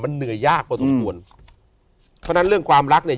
เหนื่อยยากพอสมควรเพราะฉะนั้นเรื่องความรักเนี่ย